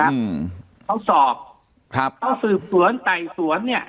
อืมเขาสอบครับเขาสืบสวนไต่สวนเนี้ย